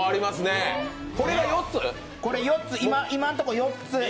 今のところ４つ。